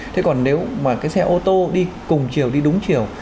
thế còn nếu xe ô tô đi cùng chiều đi đúng chiều